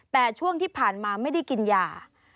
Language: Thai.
แต่ช่วงที่ผ่านมาไม่ได้กินยา